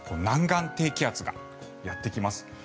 南岸低気圧がやってきます。